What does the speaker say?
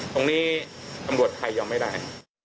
ตรงนี้ตำรวจไทยยอมไม่ได้